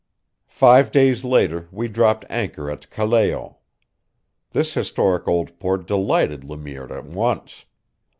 Five days later we dropped anchor at Callao. This historic old port delighted Le Mire at once.